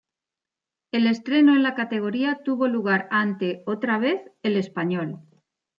El estreno en la categoría tuvo lugar ante, otra vez, el Español.